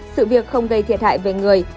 sự việc không gây thiệt hại về người